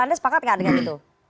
anda sepakat nggak dengan itu